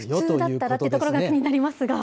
普通だったらっていうところが気になりますけど。